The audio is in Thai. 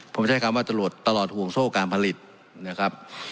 ผมใช้คำว่าตลอดห่วงโซ่การผลิตนะครับ